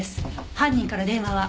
犯人から電話は？